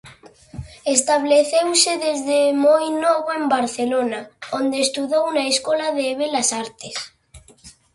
Estableceuse desde moi novo en Barcelona, onde estudou na Escola de Belas Artes.